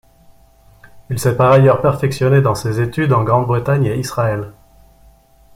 Il s'est par ailleurs perfectionné dans ses études en Grande-Bretagne et Israël.